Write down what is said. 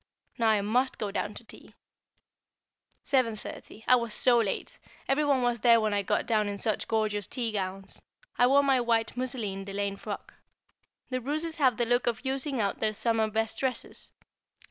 Now I must go down to tea. [Sidenote: Teaching Patience] 7.30. I was so late. Every one was there when I got down in such gorgeous tea gowns; I wore my white mousseline delaine frock. The Rooses have the look of using out their summer best dresses.